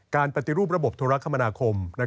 การปฏิรูประบบธุรกรรมนาคม